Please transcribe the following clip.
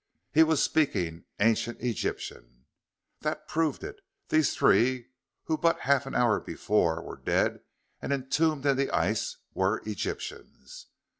He was speaking ancient Egyptian! That proved it. These three, who but half an hour before were dead and entombed in the ice, were Egyptians.